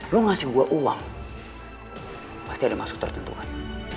lo ngasih gue uang pasti ada yang masuk tertentuan